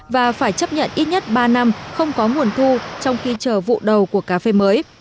và phải chấp nhận ít nhất ba năm không có nguồn thu trong khi chờ vụ đầu của cà phê mới